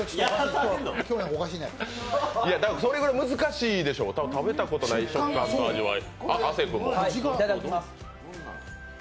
それぐらい難しいでしょう、食べたことない食感の味わい。